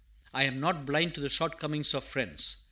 I am not blind to the shortcomings of Friends.